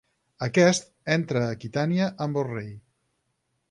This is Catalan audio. Aquest entra a Aquitània amb el rei.